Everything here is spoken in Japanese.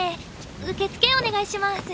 受け付けお願いします。